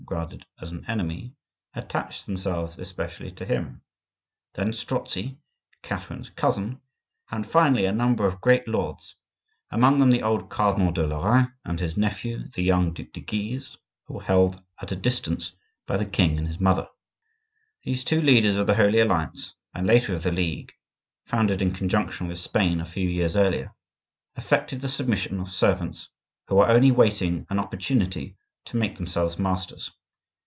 regarded as an enemy), attached themselves especially to him; then Strozzi, Catherine's cousin; and finally, a number of great lords, among them the old Cardinal de Lorraine and his nephew, the young Duc de Guise, who were held at a distance by the king and his mother. These two leaders of the Holy Alliance, and later of the League (founded in conjunction with Spain a few years earlier), affected the submission of servants who are only waiting an opportunity to make themselves masters.